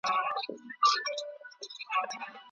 هر افغان په دې خبره باوري دی